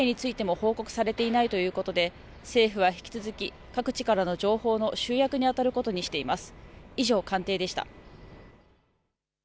今のところ被害についても報告されていないということで政府は引き続き各地からの情報の集約にあたることにしています。